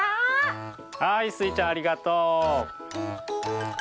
はいスイちゃんありがとう。